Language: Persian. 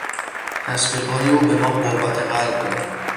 تشویقهای او به ما قوت قلب داد.